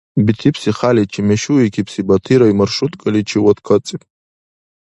Битибси хяличи мешуикибси Батирай маршруткаличивад кацӀиб.